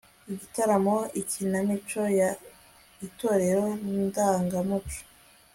igitaramo ikinamico ya itorero indangamuco